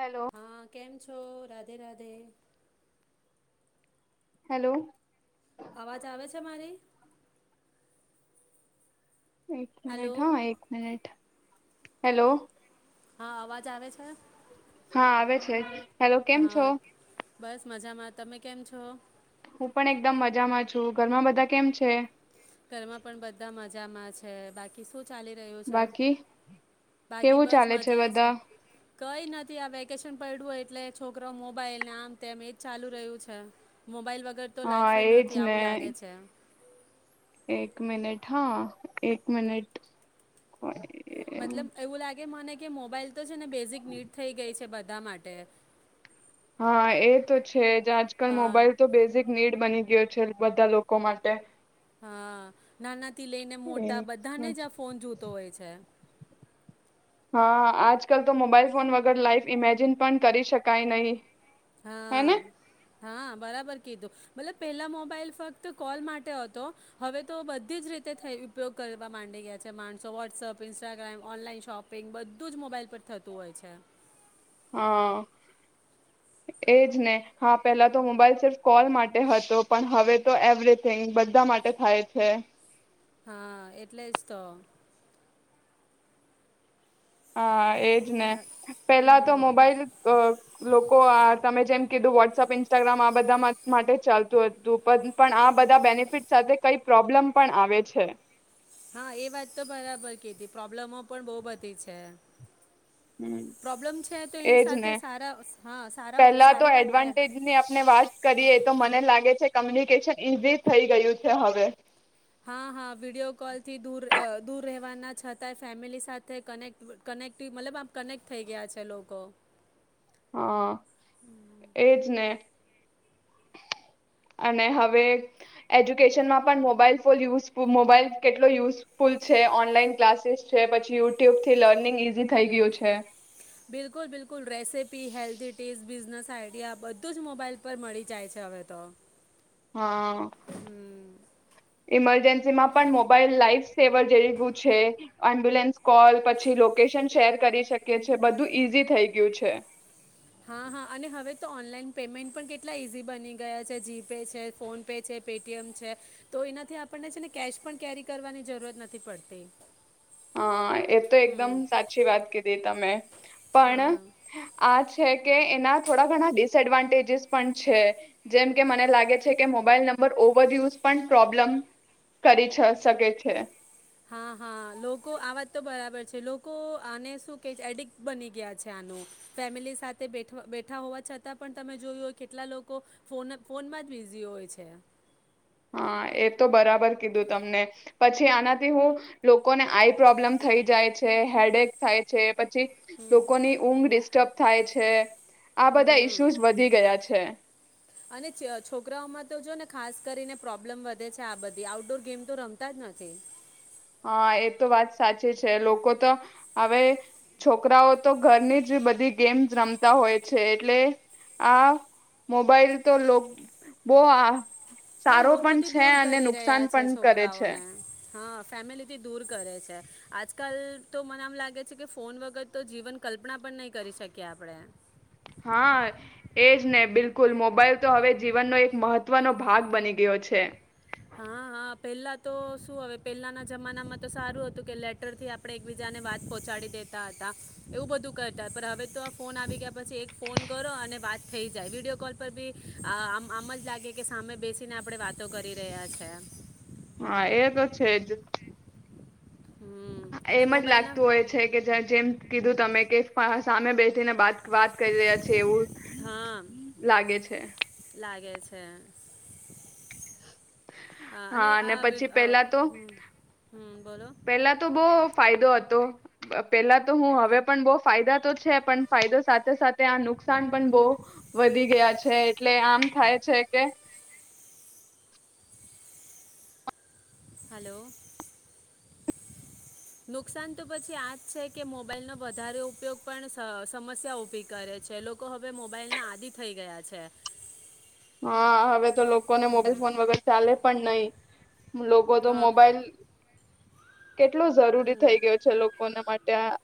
Hello હા, કેમ છો? રા ધે રાધે. હેલો. અવાજ આવે છે, મારી. એક હલો મિનિટ હા, એક મિનિટ. હેલો. હા, અવાજ આવે છે. હા, આવે છે. હેલો, કેમ છો? હા બસ મજામાં. તમે કેમ છો? હું પણ એકદમ મજામાં છું, ઘરમાં બધા કેમ છે.? ઘરમાં પણ બધા મજામાં છે, બાકી શું? ચાલી રહ્યું છે, બાકી બાકી કેવું બસ ચાલે મજા છે, બધા કઈ નથી હવે આ વેકેશન પડયું એટલે છોકરો મોબાઈલને આમ તેમ એજ ચાલુ રહ્યું છે. મોબાઈલ અગર તો હા લાઈફ જ એજ નથી. ને આવું લાગે છે. એક મિનિટ હા એક મિનિટ! [inaudible] મતલબ એવું લાગે મને કે મોબાઈલ તો છે, ને બેઝિક નીડ થઈ ગઈ છે, બધા માટે હા એ તો છે. છે જે આજ કલ અ, મોબાઈલ તો બેઝિક નીડ બની ગયો છે બધા લોકો માટે. હા! નાના થી લઈને મોટા બધાને જ આ ફોન જોતો હોય છે. હા આજકાલ તો મોબાઈલ ફોન વગર લાઈફ ઈમેજિન પણ કરી શકાય નહી. હે હા ને હા બરાબર કીધું. મતલબ પેલા મોબાઈલ ફક્ત કોલ માટે હતો, હવે તો બધી જ રીતે થ ઉપયોગ કરવા માંડી ગયા છે. માણસો WhatsApp, Instagram, online shopping બધુ રોજ મોબાઈલ પર થતું હોય છે. હા એજ ને, હા પેલા તો મોબાઈલ સિર્ફ કોલ માટે હતો, પણ હવે તો એવરીથીંગ બધા માટે થાય છે. હા એટલે જ તો હા! એજ ને પેલા હમ, તો મોબાઈલ લોકો તમે જેમ કીધું વોટ્સઅપ, ઇન્સ્ટાગ્રામ આ બધા માટે ચાલતું હતું પણ, પણ આ બધા બેનિફિટ સાથે કઈ પ્રોબ્લેમ પણ આવે છે. હા એ વાત તો બરાબર કીધી, પ્રોબ્લેમો પણ બહુ બધી છે. હ પ્રોબ્લેમ છે તો એની એજ સાથે ને, સારા હા સારા પેલા તો સારી વાત પે- એડવાન્ટેજની આપણે વાત કરીએ તો મ મને લાગે છે, કમ્યુનિકેશન ઈઝી થઈ ગયું છે હવે હા હા વિડીિયો કોલથી દૂર દૂર રહેવાના છતાંય, ફેમિલી સાથે કનેક્ટ કનેક્ટ મતલબ આમ કનેક્ટ થઈ ગયા છે લોકો. હા એજ ને! અને હવે એજ્યુકેશનમાં પણ મોબાઈલ ફોન યુસ મોબાઈલ, કેટલો યુઝફુલ છે, ઓનલાઈન ક્લાસીસ છે, પછી યુટ્યુબથી લર્નિંગ ઈઝી થઈ ગયું છે. બિલકુલ બિલકુલ! Recipe, healthy tips business idea બધું જ મોબાઈલ પર મળી જાય છે હવે તો હા હમ ઈમરજન્સી માં પણ મોબાઈલ લાઈફ સેવર જેવું છે એમ્બ્યુલન્સ કોલ પછી લોકેશન શેર કરી શકેએ છે બધું ઈઝી થઈ ગયું છે હા હા અને હવે તો ઓનલાઈન પેમેન્ટ પણ કેટલા ઇઝી બની ગયા છે જીપે છે ફોનપે છે પેટીએમ છે તો એનાથી આપણને છે ને કેશ પણ કેરી કરવાની જરૂરત નથી પડતી હા એ તો હમ એકદમ સાચી વાત કીધી તમે પણ હા આજ છે કે એના થોડા ઘણા ડિસએડવાન્ટેજસ પણ છે જેમ કે મને લાગે છે કે મોબાઈલ નંબર ઓવરયુઝ પણ પ્રોબ્લમ કરી શકે છે હા હા લોકો આ વાત તો બરાબર છે લોકો આને શું કે છે એડિક્ટ બની ગયા છે આનું ફેમિલી સાથેઠ બેઠા હોવા છતાં પણ તમે જોયું હોય કેટલા લોકો ફોન ફોનમાં જ બિઝી હોય છે હા એ તો બરાબર કીધું તમને પછી આનાથી હું લોકોને આઈ પ્રોબ્લેમ થઈ જાય છે હેડેક થાય છે પછી લોકોની ઊંઘ તબ થાય છે આ બધા હમ ઈસ્યુઝ વધી ગયા છે અને છોકરાઓમાં તો જો ને ખાસ કરીને પ્રોબ્લેમ વધે છે આ બધી આઉટડોર ગેમ તો રમતા જ નથી હા એ તો વાત સાચી છે લોકો તો હવે છોકરાઓ તો ઘરની જ બધી ગેમ્સ રમતા હોય છે એટલે આ મોબાઈલ તો બો હા લોકોથી દૂર કરી રહ્યા છે પણ કરે છે. છોકરાઓને હા ફેમિલીથી દૂર કરે છે આજકાલ તો મને આમ લાગે છે કે ફોન વગર તો જીવન કલ્પના પણ નહીં કરી શકીએ આપણે હા એજ ને બિલકુલ મોબાઈલ તો હવે જીવનનો એક મહત્વનો ભાગ બની ગયો છે હા હા પહેલા તો શું હવે પહેલાના જમાનામાં તો સારું હતું કે લેટર થી આપડણે એકબીજાને વાત પહોંચાડી દેતા હતા એવું બધું કરતા પણ હવે તો આ ફોન આવી ગયા પછી એક ફોન કરો અને વાત થઈ જાય વિડીિયો કોલ પર બીમ આમ જ લાગે કે સામે બેસીને આપણે વાતો કરી [unintelligible] છે હા એ તો છેજ હમ અને એમ જ મોબાઈલના લાગતું હોય છે કે જેમ કીધું તમે કે સામે બેસી તેને બાદ વાત કરી રહ્યા છે એવું હા લાગે છે લાગે છે હા અને આ બ પછી પેલા તો હમ પેલા તો બહુ ફાયદો હતો પેલા તો હું હવે પણ બો ફાયદા તો છે પણ ફાયદો સાથે સાથે આ નુકસાન પણ બો વધી ગયા છે એટલે આમ થાય છે કે હલો નુકસાન તો પછી આ જ છે કે મોબાઈલનો વધારે ઉપયોગ પણ સમસ્યા ઊભી કરે છે લોકો હવે મોબાઈલના આદિ થઈ ગયા છે હા હવે તો લોકોને મોબાઈલ ફોન વગર ચાલે પણ નહી લોકો તો હા મોબાઈલ કેટલો જરૂરી થઈ ગયો છે લોકોના માટે ત્યા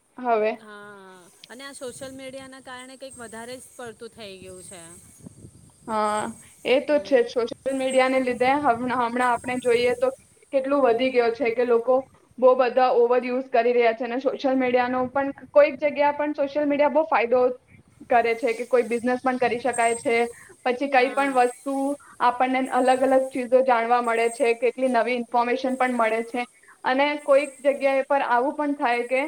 હા અને આ શો સોશિયલ મીડિયાના કારણે કંઈક વધારે જ પડતું થઈ ગયું છે હા એ તો છે હમ સોશિયલ મીડિયા ને લીધે હમણાં આપણે જોઈએ તો કેટલું વધી ગયો છે કે લોકો બો બધા ઓવર યુઝ કરી રહ્યા છે અને સોશિયલ મીડિયા ન પણ કોઈક જગ્યા પણ સોશિયલ મીડિયા બહુ ફાયદો કરે છે કે કોઈ બિઝનેસ પણ કરી શકાય છે, પછી કઈ હા પણ વસ્તુ આપ આપણને અલગ અલગ ચીજો જાણવા મળે છે, કેટલી નવી ઇન્ફોર્મેશન પણ મળે છે અને કોઈક જગ્યા એ પર આવું પણ થાય કે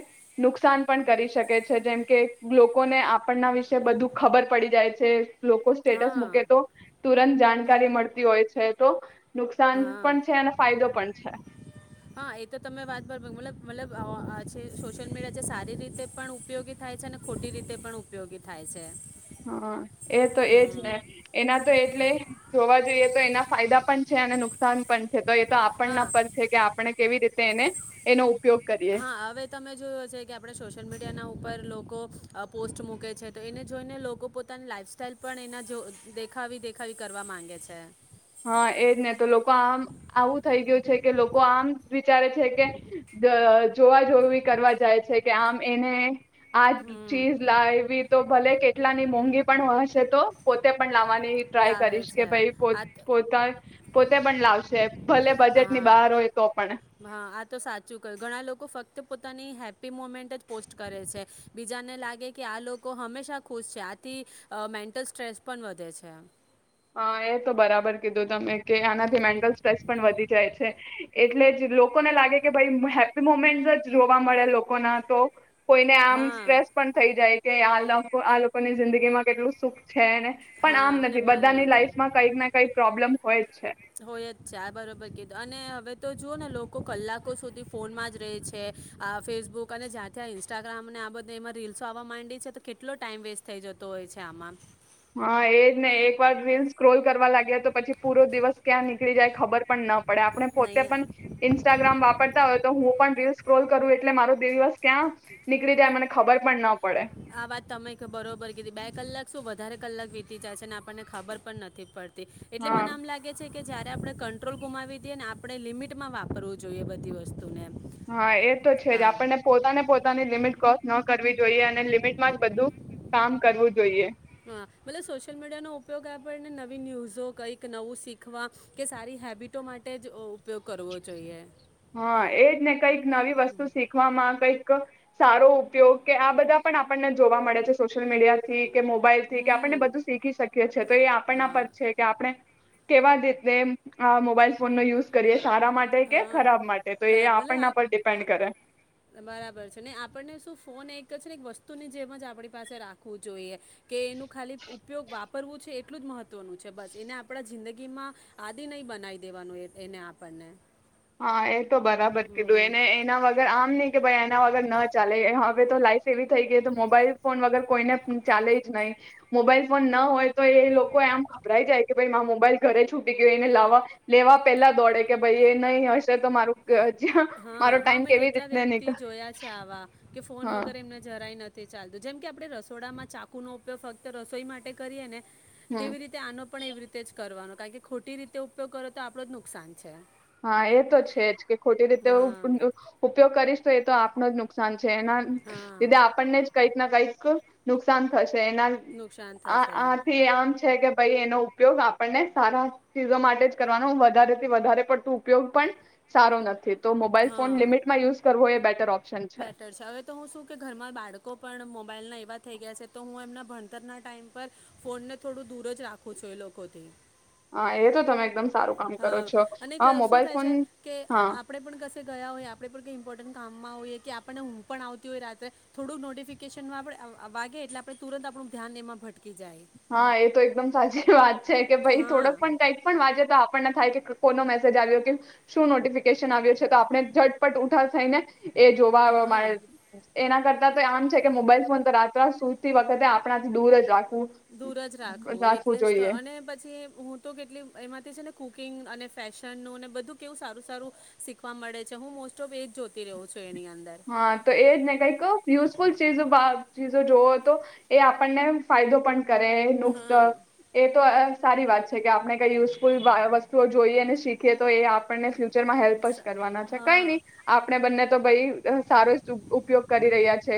નુકસાન પણ કરી શકે છે, જેમ કે લોકોને આપણના વિશે બધું ખબર પડી જાય છે, લોક સ્ટેટસ હા મૂકે તો તુરંત જાણ કરી મળતી હોય છે, તો નુકસાન હા, પણ છે અને ફાયદો પણ છે હા, એતો તમે વાત પર મતલબ મતલબ આજે સોશિયલ મીડિયા જે સારી રીતે પણ ઉપયોગી થાય છે અને ખોટી રીતે પણ ઉપયોગી થાય છે. હા, એતો એજ ને હમ એના તો એટલે જોવા જઈએ તો એના ફાયદા પણ છે અને નુકસાન પણ છે. તો એતો હા આપણના પર છે, કે આપણે કેવી રીતે એને એનો ઉપયોગ કરીએ. હા, હવે તમે જોયુ હશે કે આપણે સોશિયલ મીડિયા ના ઉપર લોકો પોસ્ટ મૂકે છે તો એને જોઈને લોકો પોતાની લાઈફ સાઈલ પણ એના દેખાવી દેખી કરવા માંગે છે. હા, એજ ને તો લોકો આમ આવું થઈ ગયું છે કે લોકો આમ વિચારે છે કે જોવા જોવી કરવા જાય છે, કે આમ એને આ હમ ચીજ લાઇવી તો ભલે કેટલાની મોંઘી પણ હશે તો પોતે પણ લાવવાની. ટ્રાય લાવે કરીશ કે છે ભાઈ પોત આ ત- પો પોતે પણ લાવશે. ભલે બજેટની હા, બહાર હોય તો પણ હા, આતો સાચું કર ઘણા લોકો ફક્ત પોતાની હેપ્પી મુમેન્ટ જ પોસ્ટ કરે છે, બીજાને લાગે કે આ લોકો હંમેશા ખુશ છે, આથી મેન્ટલ સ્ટ્રેસ પણ વધે છે. હા, એતો બરાબર કીધું તમે કે આનાથી મેન્ટલ સ્ટ્રેસ પણ વધી જાય છે, એટલે જ લોકોને લાગે કે ભાઈ હેપ્પી મુમેન્ટસ જ જોવા મળે લોકોના તો કોઈને આમ હા સ્ટ્રેસ પણ થઈ જાય કે આ આ લોકો ની જિંદગી માં કેટલું સુખ છે. છે ને પણ હા આમ અને નથી બધા મારે બધાની નથી લાાઈફમાં કઈકને કંઈક પ્રોબ્લેમ હોયજ છે. હોયજ છે, આ બરોબર કીધું અને હવે તો જુઓ ને લોકો કલાકો સુધી ફોનમાંજ રહે છે. આ ફેસબુક અને જ્યાં ત્યાં ઇન્સ્ટાગ્રામને આ બધે એમાં રીલ્સો આવવા માંડી છે તો કેટલો ટાઈમ વેસ્ટ થઈ જતો હોય છે આમાં. હા, એજને એક વાર રીલ સ્ક્રોલ કરવા લાગ્યા તો પછી પૂરો દિવસ ક્યાં નીકળી જાય ખબર પણ ન પડ પડે આપણે પોતે પણ નહીં ઇન્સ્ટાગ્રામ વાપરતા હોય તો હું પણ રીલ સ્ક્રોલ કરું એટલે મારો બે દિવસ ક્યાં નીકળી જાય મને ખબર પણ ન પડે આ વાત તમે બરોબર કીધી બે કલાક શું વધ વધારે કલાક વીતી જાય છે અને આપણને ખબર પણ નથી પડતી. એટલે હા મને આમ લાગે છે કે જયારે આપડે કંટ્રોલ ગુમાવી દઈએ ને આપડે લિમિટમાં વાપરવું જોઈએ બધી વસ્તુ. હા, એતો છેજ. આપણને પોતાને પોતાની લિમિટ ક્રોસ ન કરવી જોઈએ અને લિમિટમાં જ બધું કામ કરવું જોઈએ. હા, મતલબ સોશિયલ મીડિયા નો ઉપયોગ આપણને નવી ન્યૂઝો, કઈક નવું શીખવા કે સારી હેબિટો માટે જ ઉપયોગ કરવો જોઈએ. હા એજ ને કઈક નવી વસ્તુ શીખવામાં કંઈક સારો ઉપયોગ કે આ બધા પણ આપણને જોવા મળે છે સોશિયલ મીડિયા થી કે મોબાઈલ થી કે આપણને હમ બધું શીખી શકીએ છે તો એ આપણના હા પર છે કે આપણે કેવા રીતે અહ મોબાઈલ ફોન નો યુઝ કરીએ. સારા માટે કે હા ખરાબ માટે તો એ ખરાબ ભલે આપણના આપ પર ડિપેન્ડ કરે બરાબર છે, ને આપણને શું ફોન એક તો છે ને એક વસ્તુની જેમ જ આપણી પાસે રાખવું જોઈએ કે એનું ખાલી ઉપયોગ વાપરવું છે એટલું જ મહત્વનું છે, બસ એને આપણા જિંદગી માં આદિ નહી બનાવી દેવાનું એ એને આપણને. હા એ જ તો બરાબર કીધું હમ એને એના વગર આમ નહી કે ભાઈ એના વગર ન ચાલે હવે તો લાઈફ એવી થઈ ગઈ તો મોબાઈલ ફોન વગર કોઈને ચાલે જ નહી. મોબાઈલ ફોન ના હોય તો એ એ લોકો આમ ગભરાઈ જાય કે ભાઈ માર મોબાઈલ ઘરે છૂટી ગયો એને લાવવા લેવા પેલા દોડે કે ભાઈ એ નહી હશે તો મારું ક- જ્યાં- હા, મારો હા ટાઈમ મેં કેવી કેટલા રીતને વ્યક્તિ નીકળ જોયા છે આવા, કે ફોન હા વગર એમને જરાય નથ તે ચાલતું જેમ કે આપણે રસોડામાં ચાકુનો ઉપયોગ ફક્ત રસોઈ માટે કરીએ ને હમ તેવી રીતે આનો પણ એવી રીતે જ કરવાનો. કારણ કે ખોટી રીતે ઉપયોગ કરો તો આપડો જ નુકસાન છે. હા એ તો છે જ. કે ખોટી રીતે હા [unintelligible] ઉપયોગ કરીશ તો એ તો આપનું જ નુકસાન છે, એના લીધે હા આપણને જ કઈક ના કઈક નુકસાન થશે. તો એના નુકસાન આ થશે આ આથી આજ છે કે ભાઈ એનો ઉપયોગ આપણને સારા ચીજો માટે જ કરવાનો વધારેથી વધારે પર તુ ઉપયોગ પણ સારો નથી. તો મોબાઈલ હા ફોન લિમિટમાં યુઝ કરવો એ બેટર ઓપ બેટર છે, હવે તો હું શું કે ઘરમાં બાળકો પણ મમ મોબાઈલના એવા થઈ ગયા છે તો હું એમના ભણતરના ટાઈમ પર ફોનને થોડું દૂર જ રાખું છું એ લોકોથી. હા એ તો તમે એકદમ સારું કામ કરો હા છો અને હા ક શું મોબાઈલ થાય ફોન છે કે અહ હા આપડે પણ કશે ગયા હોય આપડે પણ [unintelligible] ઇમ્પોર્ટન્ટ કામમાં હોઈએ કે આપણને ઊંઘ પણ આવતી હોય રાત્રે થોડુંક નોટિફિકેશનમાં આપણે આ વાગે એટલે આપણે તુરંત આપણું ધ્યાન એમાં ભટકી જાય. હા એ તો એકદમ સાચી વાત છે કે ભાઈ હા થોડુંક પણ કઈક પણ વાગે તો આપણને થાય કે કોનો મેસેજ આવ્યો કે શું નોટિફિકેશન આવ્યો છે તો આપણે ઝટપટ ઉઠાવ થઈને એ જોવા આવે હા [unintelligible] એના કર તા તો આમ છે કે મોબાઈલ ફોન તો રાત્ર સુતી વખતે આપણાથી દૂર જ રાખવું. દૂર જ રાખવું એટલે જ તો અને પછી હું તો કેટલી એમાંથી છે ને કુકિંગ અને ફેશનનું ને બધું કેવું સારું સારું શીખવા મળે છે હું મોસ્ટ ઓફ એજ જોતી રહુ છું. એની અંદર હા તો એજ ને કઈકયુ. ફૂલ સોજો ભાવ ચીજો જોવો હતો એ આપણને ફાયદો પણ કરે નુકસ હા એ તો સારી વાત છે કે આપણે કઈ યુઝફુલ વસ્તુઓ જોઈએ અને શીખીએ. તો એ આપણને ફ્યુચરમાં હેલ્પ જ સ- કરવાના છે કઈ હા નહી આપણે બંને તો ભાઈ સારો ઉપયોગ કરી રહ્યા છે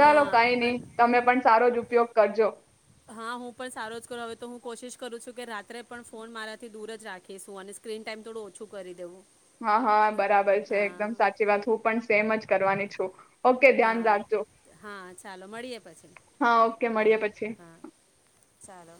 ચાલો કઈ નહી અ- તમે પણ સારો જ ઉપયોગ કરજો. હા હું પણ સારો જ કરુ હવે તો હું કોશિશ કરું છું કે રાત્રે પણ ફોન મારાથી દૂર જ રાખીશું અને સ્ક્રીન ટાઈમ થોડું ઓછું કરી દેહુ. હા, હા બરાબર છે. એકદમ સાચી વાત, હું પણ સેમ જ કરવાની છું. ઓકે ધ્યાન હા, રાખજો હા ચાલો મળીએે પછી. હા ઓકે મળીએ પછી ચાલો.